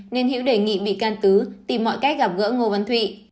nên hiễu đề nghị bị can tứ tìm mọi cách gặp gỡ ngô văn thụy